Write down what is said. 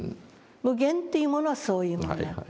無限というものはそういうものだ。